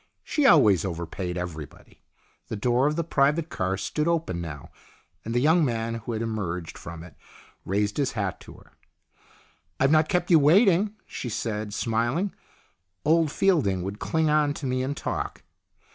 She always overpaid everybody. The door of the private car stood open now, and the young man who had emerged from it raised his hat to her. " I've not kept you waiting ?" she said, smiling. " Old Fielding would cling on to me and talk."